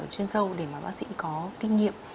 trên sâu để mà bác sĩ có kinh nghiệm